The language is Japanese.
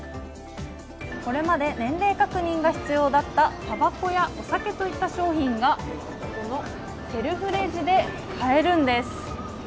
これまで年齢確認が必要だったたばこやお酒といった商品がこのセルフレジで買えるんです。